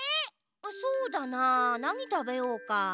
そうだななにたべようか？